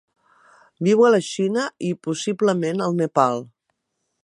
Viu a la Xina i, possiblement, al Nepal.